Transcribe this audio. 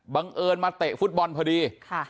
บังเอิญมาเตะฟุตบอลพอดี